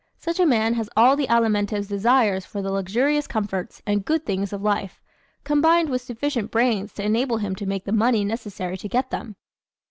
Such a man has all the Alimentive's desires for the luxurious comforts and "good things of life," combined with sufficient brains to enable him to make the money necessary to get them.